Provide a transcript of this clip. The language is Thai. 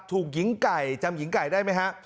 ถูกหญิงไก่จำหญิงไก่ได้ไหมฮะ